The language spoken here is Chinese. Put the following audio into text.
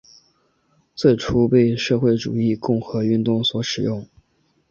最初被社会主义共和运动所使用。